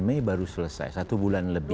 mei baru selesai satu bulan lebih